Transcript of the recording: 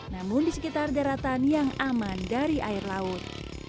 namun di sekitar daratan yang aman dari air laut